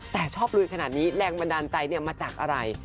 แต่ชอบลุยขนาดนี้แรงบันดาลใจมาจากอะไร